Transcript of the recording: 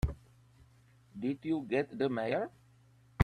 Did you get the Mayor?